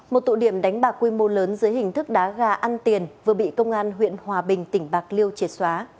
một tụ điểm đánh bạc quy mô lớn dưới hình thức đá gà ăn tiền vừa bị công an huyện hòa bình tỉnh bạc liêu triệt xóa